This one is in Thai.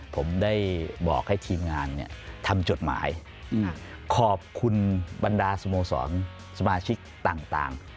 ผมได้บอกให้ทีมงานทำจดหมายขอบคุณบรรดาสโมสรสมาชิกต่าง